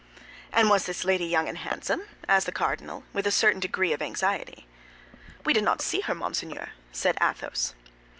"And was this lady young and handsome?" asked the cardinal, with a certain degree of anxiety. "We did not see her, monseigneur," said Athos.